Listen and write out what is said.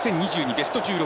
ベスト１６